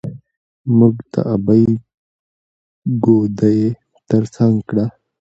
موږ د ابۍ ګودى تر څنګ کړه.